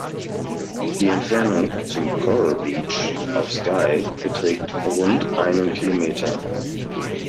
Die Entfernung zum "Coral Beach" auf Skye beträgt rund einen Kilometer.